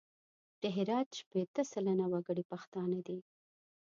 د هرات شپېته سلنه وګړي پښتانه دي.